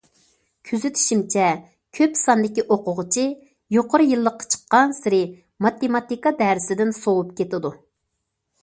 كۆزىتىشىمچە، كۆپ ساندىكى ئوقۇغۇچى يۇقىرى يىللىققا چىققانسېرى ماتېماتىكا دەرسىدىن سوۋۇپ كېتىدۇ.